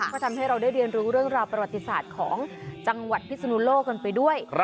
ก็ทำให้เราได้เรียนรู้เรื่องราวประวัติศาสตร์ของจังหวัดพิศนุโลกกันไปด้วย